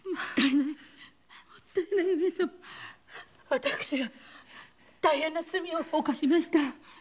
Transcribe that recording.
私が大変な罪を犯しました。